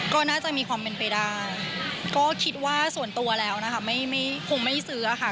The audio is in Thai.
ก็น่าจะมีความเป็นไปได้ก็คิดว่าส่วนตัวแล้วนะคะไม่คงไม่ซื้อค่ะ